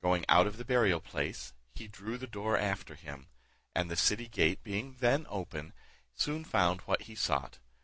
Going out of the burial place, he drew the door after him; and the city gate being then open, soon found what he sought.